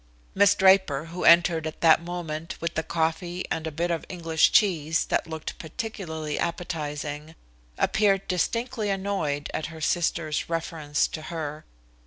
Miss Draper who entered at that moment with the coffee and a bit of English cheese that looked particularly appetizing, appeared distinctly annoyed at her sister's reference to her.